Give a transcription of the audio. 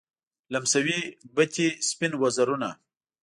لمسوي بتې سپین وزرونه